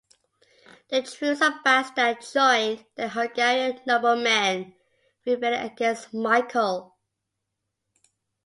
The troops of Basta joined the Hungarian noblemen rebelling against Michael.